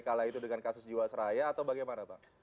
kalah itu dengan kasus jiwasraya atau bagaimana bang